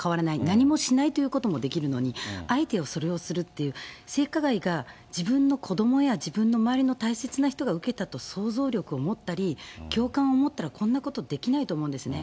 何もしないということもできるのに、あえてそれをするという、性加害が自分の子どもや自分の周りの大切な人が受けたと想像力を持ったり、共感を持ったら、こんなことできないと思うんですね。